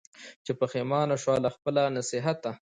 چي پښېمانه سوه له خپله نصیحته